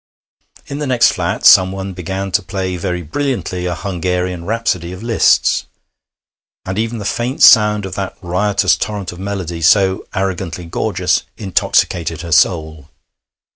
In the next flat someone began to play very brilliantly a Hungarian Rhapsody of Liszt's. And even the faint sound of that riotous torrent of melody, so arrogantly gorgeous, intoxicated her soul.